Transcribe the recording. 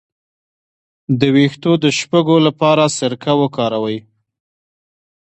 د ویښتو د شپږو لپاره سرکه وکاروئ